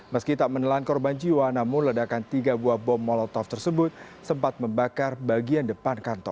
meski tak menelan korban jiwa namun ledakan tiga buah bom molotov tersebut sempat membakar bagian depan kantor